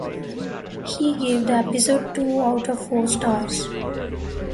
He gave the episode two out of four stars.